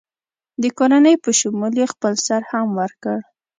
د کورنۍ په شمول یې خپل سر هم ورکړ.